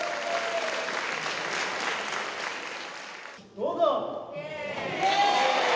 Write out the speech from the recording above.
どうぞ。